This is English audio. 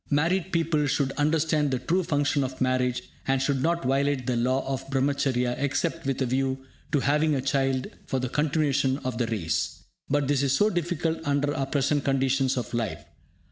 Married people should understand the true function of marriage, and should not violate the law of Brahmacharya except with a view to having a child for the continuation of the race. But this is so difficult under our present conditions of life.